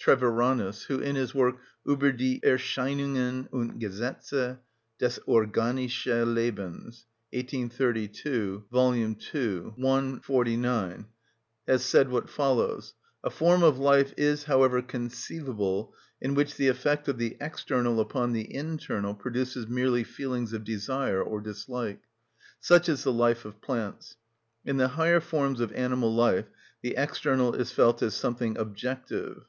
Treviranus, who, in his work, "Ueber die Erscheinungen und Gesetze des organischen Lebens," 1832, Bd. 2, Abth. 1, § 49, has said what follows: "A form of life is, however, conceivable in which the effect of the external upon the internal produces merely feelings of desire or dislike. Such is the life of plants. In the higher forms of animal life the external is felt as something objective."